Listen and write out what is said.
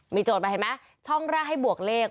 มีโจทย์มาเห็นไหมช่องแรกให้บวกเลข